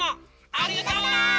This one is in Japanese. ありがとう！